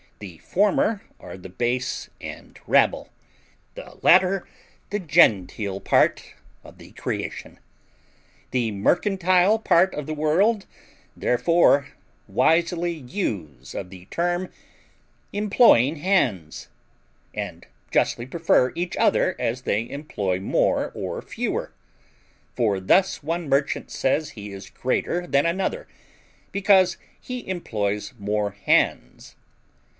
The former are the base and rabble; the latter, the genteel part of the creation. The mercantile part of the world, therefore, wisely use of the term EMPLOYING HANDS, and justly prefer each other as they employ more or fewer; for thus one merchant says he is greater than another because he employs more hands.